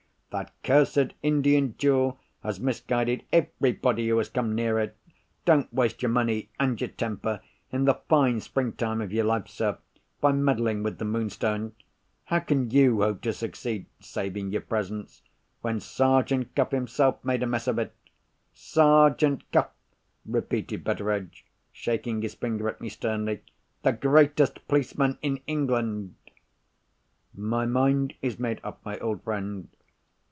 That cursed Indian jewel has misguided everybody who has come near it. Don't waste your money and your temper—in the fine spring time of your life, sir—by meddling with the Moonstone. How can you hope to succeed (saving your presence), when Sergeant Cuff himself made a mess of it? Sergeant Cuff!" repeated Betteredge, shaking his forefinger at me sternly. "The greatest policeman in England!" "My mind is made up, my old friend.